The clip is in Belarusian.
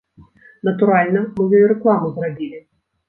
Натуральна, мы ёй рэкламу зрабілі.